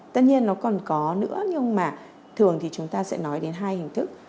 tất nhiên nó còn có nữa nhưng mà thường thì chúng ta sẽ nói đến hai hình thức